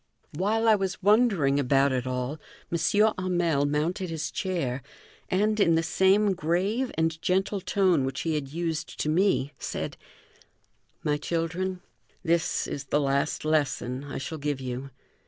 While I was wondering about it all, M. Hamel mounted his chair, and, in the same grave and gentle tone which he had used to me, said: "My children, this is the last lesson I shall give you.